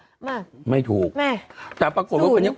ไม่พ่อแค่เหมือนมาเข้าฝันแบบกลับมาหาที่บ้านอะไรอย่างนี้เฉยไง